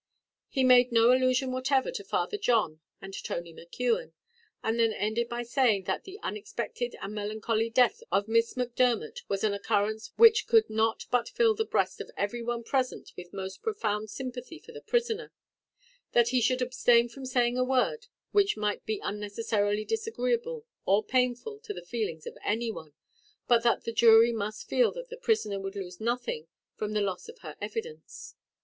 He made no allusion whatever to Father John and Tony McKeon, and then ended by saying, that "the unexpected and melancholy death of Miss Macdermot was an occurrence which could not but fill the breast of every one present with most profound sympathy for the prisoner, that he should abstain from saying a word which might be unnecessarily disagreeable or painful to the feelings of any one but that the jury must feel that the prisoner would lose nothing from the loss of her evidence.